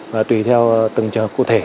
và tùy theo từng trường hợp cụ thể